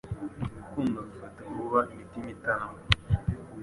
Urukundo rufata vuba imitima itanga